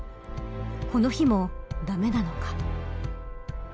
この日も駄目なのか。